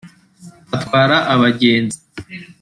atwara abagenzi